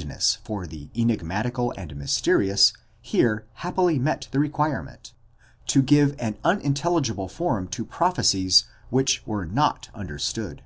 567 ness for the enigmatical and mysterious here happily met the requirement, to give an unintelligible form to prophecies which were not understood.